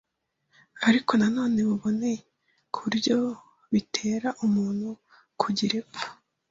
ariko na none buboneye ku buryo bitera umuntu kugira ipfa.